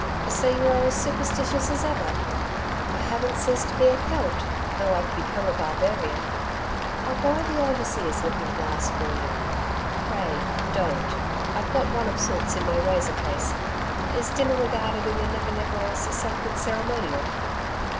So you are superstitious as ever?' 'I haven't ceased to be a Celt though I've become a barbarian. I'll borrow the overseer's looking glass for you.' 'Pray don't. I've got one of sorts in my razor case. Is dinner regarded in the Never Never as a sacred ceremonial?'